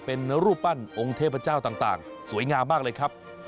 เป็นรูปปั้นองค์เทพเจ้าต่างสวยงามมากเลยครับ